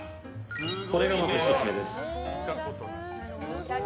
これがまず１つ目です。